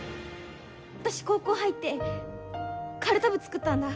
私、高校入ってカルタ部、作ったんだ。